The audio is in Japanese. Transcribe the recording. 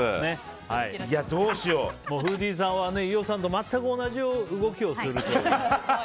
フーディーさんは飯尾さんと全く同じをするという。